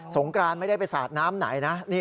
งกรานไม่ได้ไปสาดน้ำไหนนะ